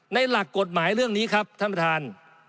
หลักกฎหมายเรื่องนี้ครับท่านประธาน